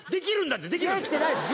できてないです